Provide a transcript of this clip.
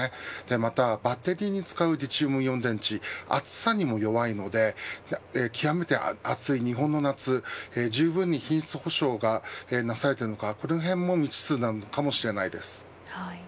またバッテリーに使うリチウムイオン電池は暑さにも弱いので極めて暑い日本の夏じゅうぶんに品質保証がなされているのかこのへんも未知数なのかもしれません。